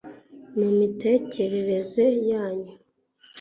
mu mitekerereze yanyu